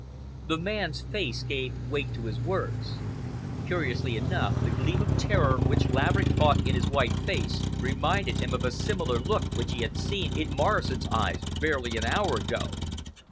The man's face gave weight to his words. Curiously enough, the gleam of terror which Laverick caught in his white face reminded him of a similar look which he had seen in Morrison's eyes barely an hour ago.